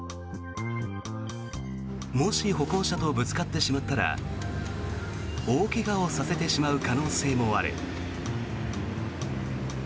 もし歩行者とぶつかってしまったら大怪我をさせてしまう可能性もある。